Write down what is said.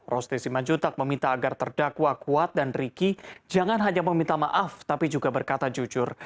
rosti simanjutak meminta agar terdakwa kuat dan riki jangan hanya meminta maaf tapi juga berkata jujur